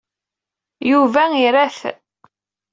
Yuba ira-t.